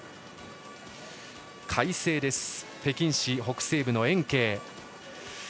快晴です、北京市北西部の延慶。